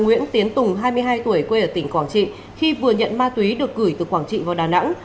nguyễn tiến tùng hai mươi hai tuổi quê ở tỉnh quảng trị khi vừa nhận ma túy được gửi từ quảng trị vào đà nẵng